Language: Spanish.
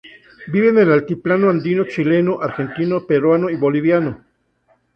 Vive en el altiplano andino chileno, argentino, peruano y boliviano.